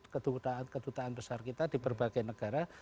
kedutaan besar kita di berbagai negara